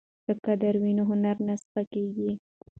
که قدر وي نو هنر نه سپکیږي.